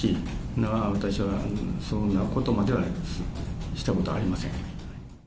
だから私はそんなことまではしたことありません。